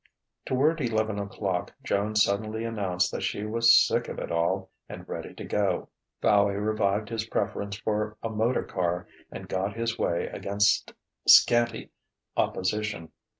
Toward eleven o'clock, Joan suddenly announced that she was sick of it all and ready to go. Fowey revived his preference for a motor car, and got his way against scanty opposition.